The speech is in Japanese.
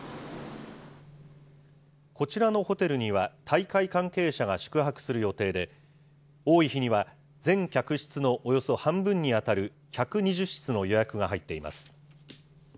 こちらのホテルには、大会関係者が宿泊する予定で、多い日には、全客室のおよそ半分に当たる１２０室の予約が入っています。